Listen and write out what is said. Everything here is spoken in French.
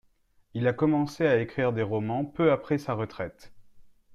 Il a commencé à écrire des romans peu après sa retraite.